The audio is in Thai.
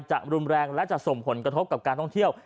รุนแรงและจะส่งผลกระทบกับการท่องเที่ยว